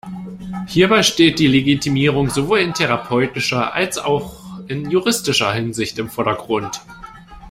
Hierbei steht die Legitimierung sowohl in therapeutischer als auch in juristischer Hinsicht im Vordergrund.